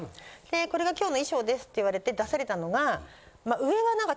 「これが今日の衣装です」って言われて出されたのが。